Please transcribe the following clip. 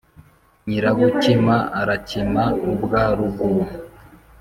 Nyirabukima arakima ubwa ruguru-